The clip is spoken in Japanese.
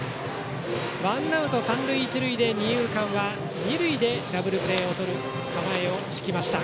ワンアウト三塁一塁で、二遊間は二塁でダブルプレーをとる構えを敷きました。